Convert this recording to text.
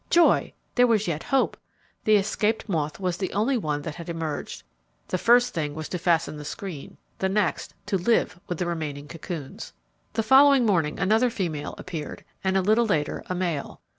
Joy! There was yet hope! The escaped moth was the only one that had emerged. The first thing was to fasten the screen, the next to live with the remaining cocoons. The following morning another, female appeared, and a little later a male.